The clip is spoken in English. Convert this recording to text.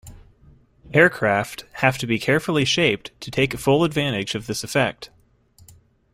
Aircraft have to be carefully shaped to take full advantage of this effect.